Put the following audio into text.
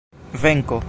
venko